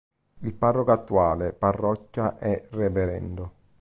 Il parroco attuale parrocchia è Rev.